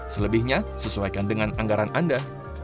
selebihnya sesuaikan dengan anggaran anda